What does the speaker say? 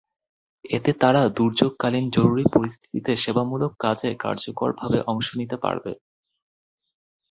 এতে তারা দুর্যোগকালীন জরুরি পরিস্থিতিতে সেবামূলক কাজে কার্যকরভাবে অংশ নিতে পারবে।